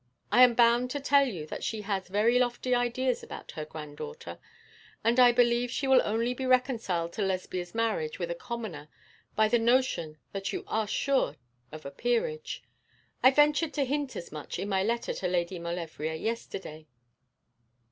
I am bound to tell you that she has very lofty ideas about her granddaughter; and I believe she will only be reconciled to Lesbia's marriage with a commoner by the notion that you are sure of a peerage. I ventured to hint as much in my letter to Lady Maulevrier yesterday.'